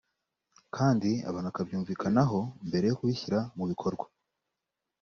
kandi abantu bakabyumvikanaho mbere yo kubishyira mu bikorwa